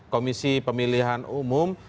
komisi pemilihan umum